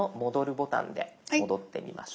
ボタンで戻ってみましょう。